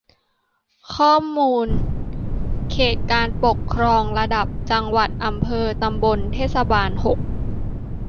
ข้อมูลเขตการปกครองระดับ จังหวัด อำเภอ ตำบล เทศบาล หก